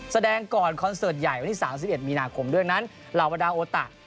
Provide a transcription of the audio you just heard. แสดงก่อนคอนเสิร์ตใหญ่วันที่๓๑มีนาคมด้วยดังนั้นเหล่าบรรดาโอตะ